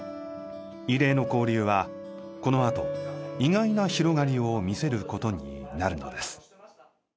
異例の交流はこのあと意外な広がりを見せることになるのです。